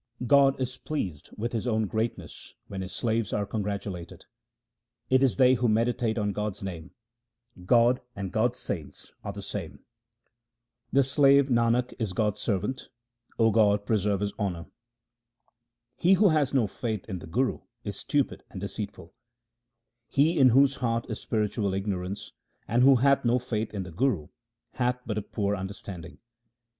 God is pleased with His own greatness when His slaves are congratulated. It is they who meditate on God's name ; God and God's saints are the same. The slave Nanak is God's servant ; O God, preserve his honour. He who has no faith in the Guru is stupid and deceitful :— He in whose heart is spiritual ignorance and who hath no faith in the Guru hath but a poor understanding.